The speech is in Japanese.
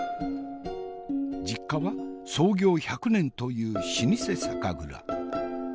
実家は創業１００年という老舗酒蔵。